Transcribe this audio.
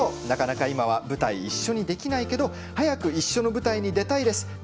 なかなか今は舞台、一緒にできないけど早く一緒の舞台に出たいです。